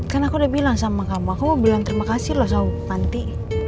kan aku udah bilang sama kamu aku mau bilang terima kasih loh sama panti